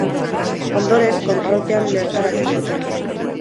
Ondoren, kontrolpean lehertarazi zuten.